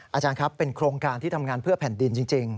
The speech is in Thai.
อาจารย์ครับเป็นโครงการที่ทำงานเพื่อแผ่นดินจริง